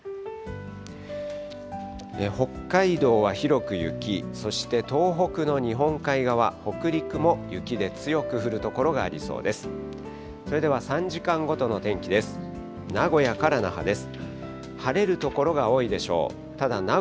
北海道は広く雪、そして東北の日本海側、北陸も雪で強く降る所がありそうです。